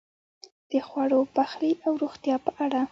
د خوړو، پخلی او روغتیا په اړه: